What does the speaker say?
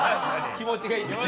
気持ちいいんですね。